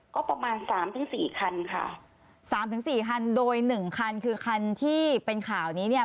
ก็ประมาณสามถึงสี่คันค่ะสามถึงสี่คันโดยหนึ่งคันคือคันที่เป็นข่าวนี้เนี่ย